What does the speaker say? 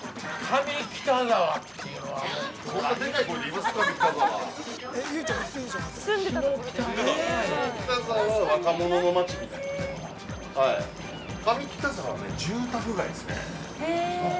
上北沢は、住宅外ですね。